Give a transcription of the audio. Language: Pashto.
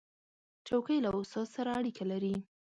چوکۍ له استاد سره اړیکه لري.